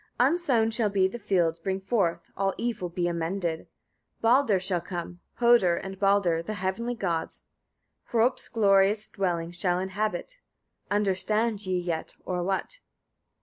60. Unsown shall the fields bring forth, all evil be amended; Baldr shall come; Hödr and Baldr, the heavenly gods, Hropt's glorious dwellings shall inhabit. Understand ye yet, or what?